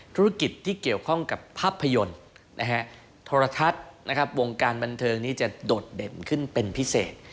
ธุรกิจที่เกี่ยวข้องกับภาพยนตร์โทรทัศน์วงการบันเทิงนี้จะโดดเด่นขึ้นเป็นพิเศษ